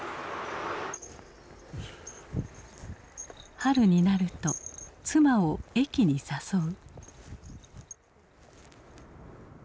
春になると妻を駅に誘う。